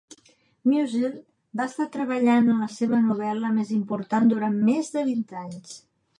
Musil va estar treballant en la seva novel·la més important durant més de vint anys.